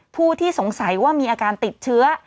ผู้ที่สงสัยว่ามีอาการติดเชื้อ